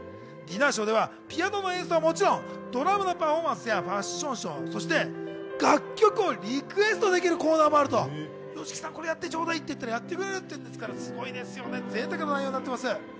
ディナーショーではピアノの演奏はもちろん、ドラムのパフォーマンスやファッションショー、そして楽曲をリクエストできるコーナーもあるとＹＯＳＨＩＫＩさん、これやってちょうだいと言ったらやってくれるというぜいたくな内容になっています。